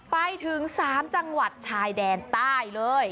ไปถึง๓จังหวัดชายแดนใต้เลย